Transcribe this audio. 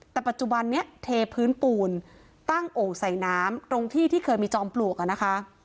แต่ปัจจุบันนี้เทพื้นปูนตั้งโอ่งใส่น้ำตรงที่ที่เคยมีจอมปลวกอ่ะนะคะ